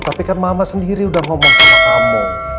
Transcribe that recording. tapi kan mama sendiri udah ngomong sama kamu